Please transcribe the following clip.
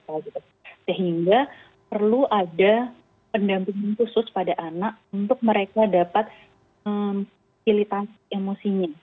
gitu sehingga perlu ada pendampingan khusus pada anak untuk mereka dapat mempilitasi emosinya